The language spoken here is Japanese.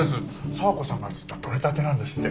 爽子さんが釣ったとれたてなんですって。